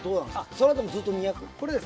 そのあともずっと２００？